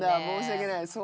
申し訳ない。